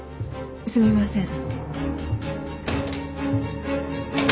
すみません。